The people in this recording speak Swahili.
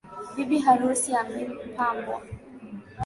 Bibi harusi amepambwa.